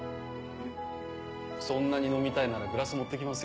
そんなに飲みたいならグラス持って来ますよ。